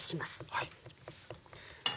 はい。